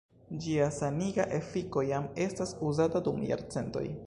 Ĝia saniga efiko jam estas uzata dum jarcentoj.